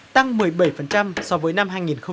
tăng một mươi bảy so với năm hai nghìn một mươi bảy